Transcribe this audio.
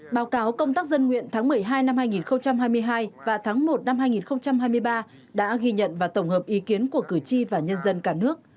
báo cáo công tác dân nguyện tháng một mươi hai năm hai nghìn hai mươi hai và tháng một năm hai nghìn hai mươi ba đã ghi nhận và tổng hợp ý kiến của cử tri và nhân dân cả nước